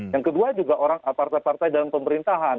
yang kedua juga partai partai dalam pemerintahan